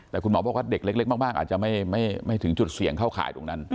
แต่คุณหมอบอกว่าเด็กเล็กมากอาจจะไม่ถึงจุดเสี่ยงเข้าข่ายตรงนั้น